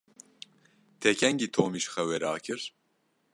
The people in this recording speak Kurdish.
Te kengî Tomî ji xewê rakir?